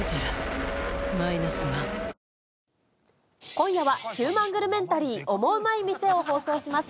今夜はヒューマングルメンタリー、オモウマい店を放送します。